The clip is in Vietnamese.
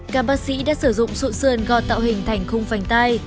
các bác sĩ đã sử dụng sụn sườn gọt tạo hình thành khung phành tay